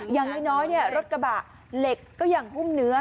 อย่างน้อยรถกระบะเหล็กก็ยังหุ้มเนื้อ